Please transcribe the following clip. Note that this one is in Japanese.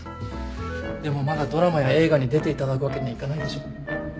でもまだドラマや映画に出ていただくわけにはいかないでしょ？